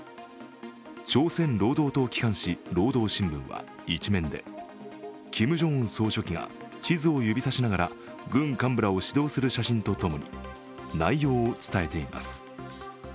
朝鮮労働党機関紙「労働新聞」は一面でキム・ジョンウン総書記が地図を指さしながら軍幹部らを指導する写真とともに、内容を伝えています。